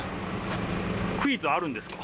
クイズあるんですか？